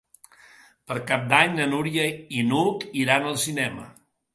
Per Cap d'Any na Núria i n'Hug iran al cinema.